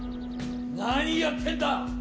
何やってんだ！